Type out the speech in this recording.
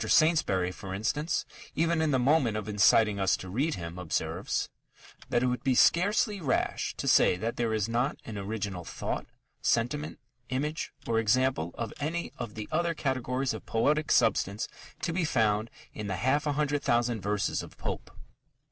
Saintsbury, for instance, even in the moment of inciting us to read him, observes that "it would be scarcely rash to say that there is not an original thought, sentiment, image, or example of any of the other categories of poetic substance to be found in the half a hundred thousand verses of Pope."